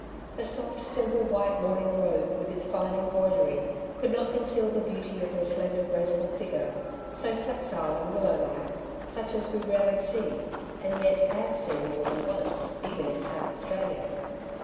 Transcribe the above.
The soft simple white morning robe, with its fine embroidery, could not conceal the beauty of her slender, graceful figure, so flexile and willow like — such as we rarely see, and yet liave seen more than once even in South Australia.